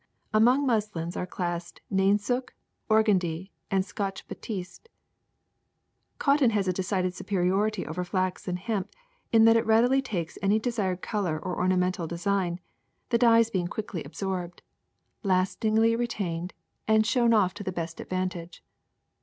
Among muslins are classed nainsook, organdie, and Scotch batiste. ^^ Cotton has a decided superiority over flax and hemp in that it readily takes any desired color or ornamental design, the dyes being quickly absorbed, 59 60 THE SECRET OF EVERYDAY THINGS lastingly retained, and shown off to the best ad vantage.